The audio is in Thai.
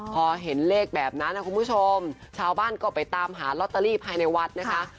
พอเห็นเลขแบบนั้นนะคุณผู้ชมชาวบ้านก็ไปตามหาลอตเตอรี่ภายในวัดนะคะ